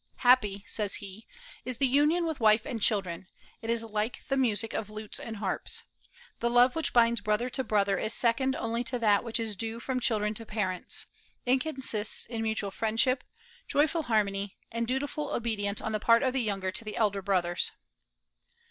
"Happy," says he, "is the union with wife and children; it is like the music of lutes and harps. The love which binds brother to brother is second only to that which is due from children to parents. It consists in mutual friendship, joyful harmony, and dutiful obedience on the part of the younger to the elder brothers."